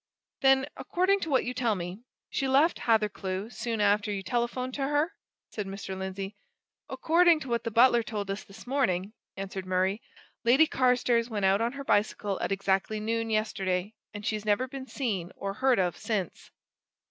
"Then, according to what you tell me, she left Hathercleugh soon after you telephoned to her?" said Mr. Lindsey. "According to what the butler told us this morning," answered Murray, "Lady Carstairs went out on her bicycle at exactly noon yesterday and she's never been seen or heard of since."